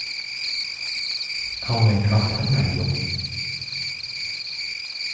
เอาไงครับท่านนายก